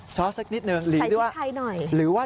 ยอซอสสักนิดนึงหรือว่า